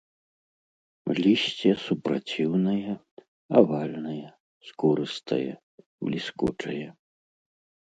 Лісце супраціўнае, авальнае, скурыстае, бліскучае.